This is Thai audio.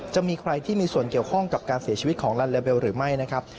จะมีใครที่มีส่วนเกี่ยวข้องกับการเสียชีวิตของลัลลาเบลหรือไม่นะครับ